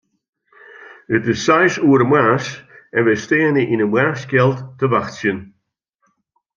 It is seis oere moarns en wy steane yn 'e moarnskjeld te wachtsjen.